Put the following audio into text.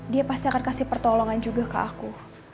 dia pasti akan kasih pertolongan juga ke aku